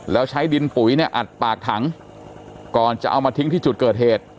แล้วใช้ดินปุ๋ยเนี่ยอัดปากถังก่อนจะเอามาทิ้งที่จุดเกิดเหตุ